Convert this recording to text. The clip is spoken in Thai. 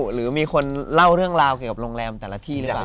หรือมีคนเล่าเรื่องราวเกี่ยวกับโรงแรมแต่ละที่หรือเปล่า